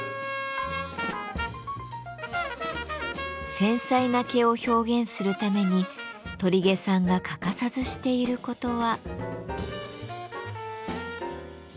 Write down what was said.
繊細な毛を表現するために鳥毛さんが欠かさずしていることは。